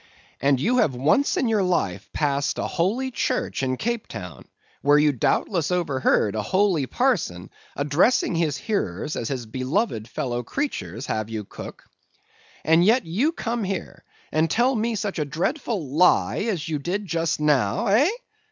"And you have once in your life passed a holy church in Cape Town, where you doubtless overheard a holy parson addressing his hearers as his beloved fellow creatures, have you, cook! And yet you come here, and tell me such a dreadful lie as you did just now, eh?"